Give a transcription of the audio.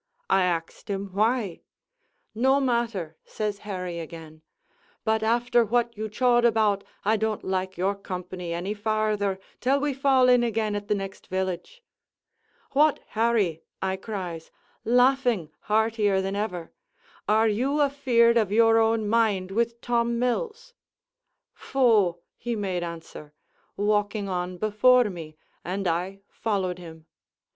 I axed him why? 'No matter,' says Harry again, 'but after what you chawed about, I don't like your company any farther, till we fall in again at the next village.' 'What, Harry,' I cries, laughing heartier than ever, 'are you afeard of your own mind with Tom Mills?' 'Pho,' he made answer, walking on before me, and I followed him.